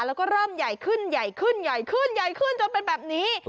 แล้วก็เริ่มใหญ่ขึ้นใหญ่ขึ้นใหญ่ขึ้นใหญ่ขึ้นจนเป็นแบบนี้